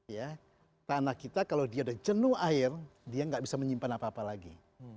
ya tanah kita kalau dia ada jenuh air dia nggak bisa menyimpan apa apa lagi